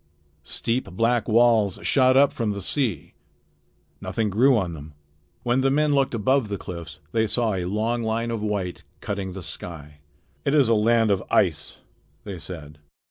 Steep black walls shot up from the sea. Nothing grew on them. When the men looked above the cliffs they saw a long line of white cutting the sky. "It is a land of ice," they said.